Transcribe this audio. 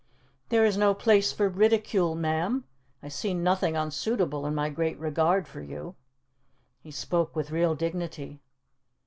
"There is no place for ridicule, ma'am. I see nothing unsuitable in my great regard for you." He spoke with real dignity.